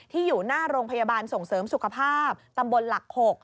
อยู่หน้าโรงพยาบาลส่งเสริมสุขภาพตำบลหลัก๖